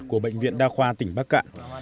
của bệnh viện đao khoa tỉnh bắc cạn